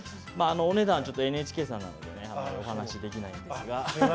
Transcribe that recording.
お値段、ＮＨＫさんなのでお話できないんですが。